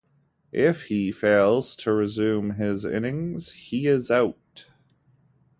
If he fails to resume his innings, he is out.